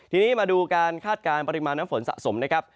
ทีนี้มาดูการคาดการณ์ปริมาณน้ำฝนสะสมนะครับ